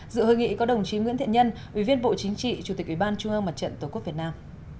dự hội nghị có đồng chí nguyễn thiện nhân ủy viên bộ chính trị chủ tịch ủy ban trung ương mặt trận tổ quốc việt nam